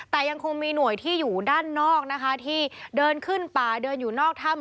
แต่ยังคงมีหน่วยที่อยู่ด้านนอกนะคะที่เดินขึ้นป่าเดินอยู่นอกถ้ำ